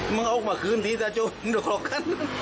มันเอามาพี่ชะโชครากฮัน